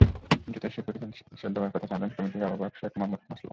দ্রুতই সেই প্রতিবেদন দেওয়ার কথা জানালেন কমিটির আহ্বায়ক শেখ মোহাম্মদ আসলাম।